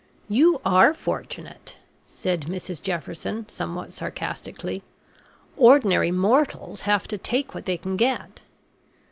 "You are fortunate," said Mrs Jefferson, somewhat sarcastically. "Ordinary mortals have to take what they can get.